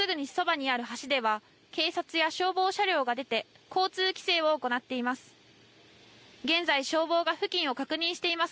川のすぐそばにある橋では警察や消防車両が出て交通規制を行っています。